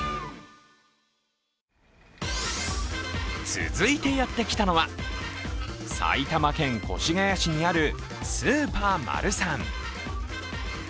続いてやってきたのは埼玉県越谷市にあるスーパーマルサン。